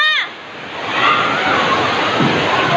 อย่าล้มมา